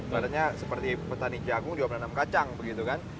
badannya seperti petani jagung juga menanam kacang begitu kan